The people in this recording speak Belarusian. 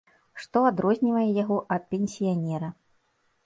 Што адрознівае яго ад пенсіянера.